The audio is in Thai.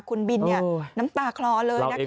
คุณบินเนี่ยน้ำตากลอเลยนะคะ